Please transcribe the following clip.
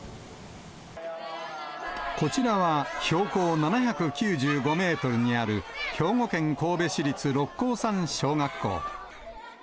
こちらは標高７９５メートルにある、兵庫県神戸市立六甲山小学校。